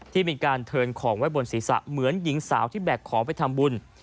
ที่มีการเทินของไว้บนศีรษะเหมือนหญิงสาวที่แบกของไปทำบุญ